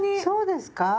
そうですか？